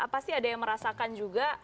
pasti ada yang merasakan juga